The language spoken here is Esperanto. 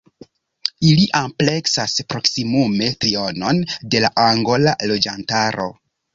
Ili ampleksas proksimume trionon de la angola loĝantaro.